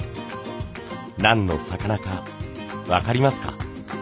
何の魚か分かりますか？